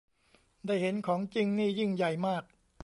ได้เห็นของจริงนี่ยิ่งใหญ่มาก